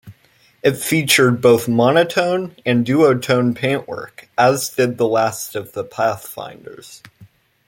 It featured both monotone and duotone paintwork, as did the last of the Pathfinders.